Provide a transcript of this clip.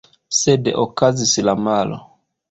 Sed okazis la malo.